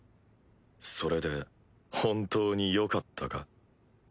それで本当によかったか？